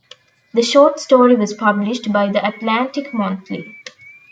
The short story was published by "The Atlantic Monthly".